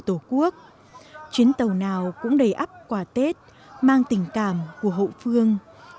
tổ quốc chuyến tàu nào cũng đầy ấp quả tết mang tình cảm của hậu phương